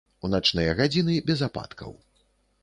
У начныя гадзіны без ападкаў.